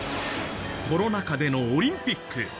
コロナ禍でのオリンピック。